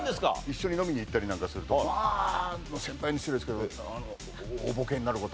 一緒に飲みに行ったりなんかするとまあ先輩に失礼ですけど。